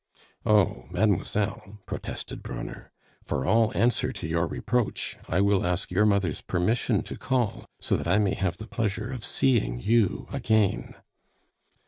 "On! mademoiselle!" protested Brunner. "For all answer to your reproach, I will ask your mother's permission to call, so that I may have the pleasure of seeing you again."